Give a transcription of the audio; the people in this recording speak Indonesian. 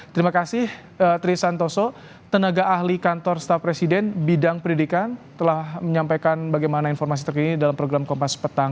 terima kasih tri santoso tenaga ahli kantor staf presiden bidang pendidikan telah menyampaikan bagaimana informasi terkini dalam program kompas petang